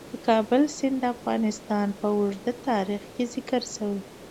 د کابل سیند د افغانستان په اوږده تاریخ کې ذکر شوی.